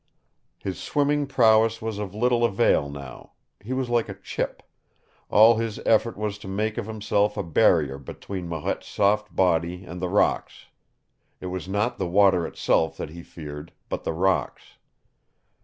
His swimming prowess was of little avail now. He was like a chip. All his effort was to make of himself a barrier between Marette's soft body and the rocks. It was not the water itself that he feared, but the rocks.